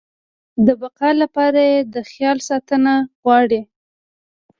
د بقا لپاره يې د خیال ساتنه غواړي.